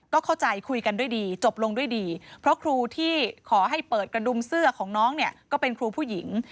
ก็เข้าใจคุยกันด้วยดีจบลงด้วยดีเพราะครูที่ขอให้เปิดกระดุมเสื้อของน้องเนี่ยก็เป็นครูผู้หญิง